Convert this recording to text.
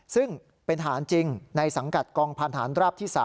ซึ่งเป็นทหารจริงในสังกัดกองพันธานราบที่๓